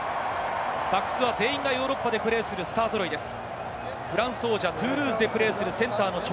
バックスは全員がヨーロッパでプレーするスター選手揃いです。